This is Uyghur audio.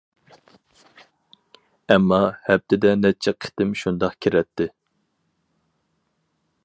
ئەمما، ھەپتىدە نەچچە قېتىم شۇنداق كىرەتتى.